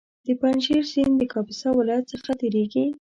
د پنجشېر سیند د کاپیسا ولایت څخه تېرېږي